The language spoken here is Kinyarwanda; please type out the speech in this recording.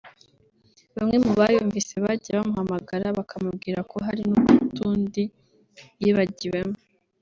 bamwe mu bayumvise bagiye bamuhamagara bakamubwira ko hari n’utundi yibagiwemo